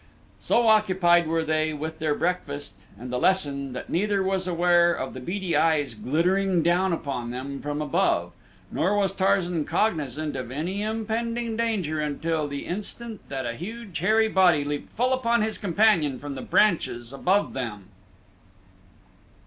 So occupied were they with their breakfast and the lesson that neither was aware of the beady eyes glittering down upon them from above; nor was Tarzan cognizant of any impending danger until the instant that a huge, hairy body leaped full upon his companion from the branches above them.